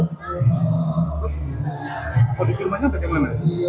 terus kondisi rumahnya bagaimana